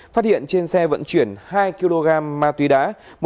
phát hiện trên xe vận chuyển hai kg ma túy đá